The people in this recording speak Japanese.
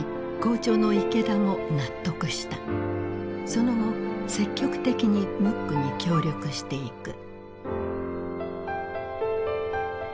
その後積極的にムックに協力していく。